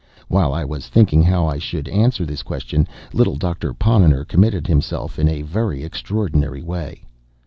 While I was thinking how I should answer this question, little Doctor Ponnonner committed himself in a very extraordinary way.